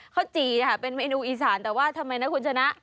จีเป็นเมนูอีสานแต่ว่าทำไมนะคุณชนะ